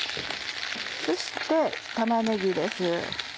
そして玉ねぎです。